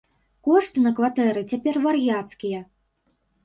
Кошты на кватэры цяпер вар'яцкія!